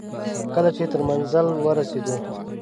کله چې تر منزل ورسېدو.